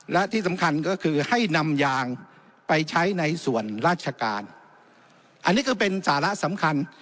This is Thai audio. และที่สำคัญก็คือให้นำยางไปใช้ในส่วนราชการอันนี้ก็เป็นสาระสำคัญ